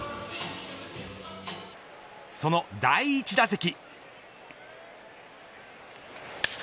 その第１打席。